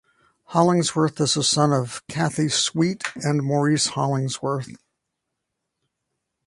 Hollingsworth is the son of Kathy Sweatt and Maurice Hollingsworth.